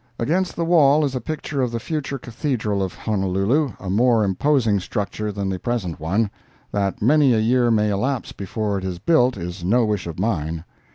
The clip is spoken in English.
Against the wall is a picture of the future Cathedral of Honolulu—a more imposing structure than the present one; that many a year may elapse before it is built is no wish of mine.